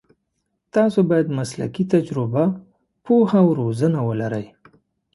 تاسو باید مسلکي تجربه، پوهه او روزنه ولرئ.